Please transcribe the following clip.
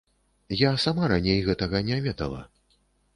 Я сама раней гэтага не ведала.